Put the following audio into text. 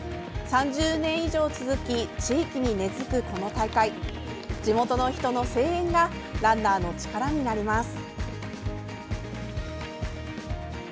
３０年以上続き地域に根付く、この大会地元の人の声援がランナーの力になります。